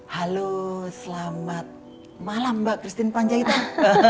halo selamat malam mbak christine panjaitan